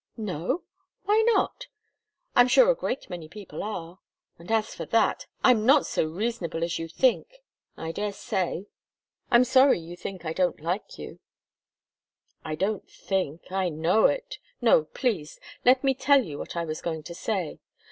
"No? Why not? I'm sure a great many people are. And as for that, I'm not so reasonable as you think, I daresay. I'm sorry you think I don't like you." "I don't think I know it. No please! Let me tell you what I was going to say.